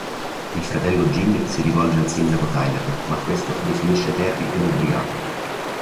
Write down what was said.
Il fratello Jimmy si rivolge al sindaco Tyler, ma questo definisce Terry un ubriaco.